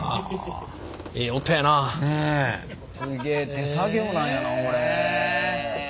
すげえ手作業なんやなこれ。